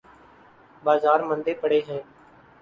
بازار مندے پڑے ہیں۔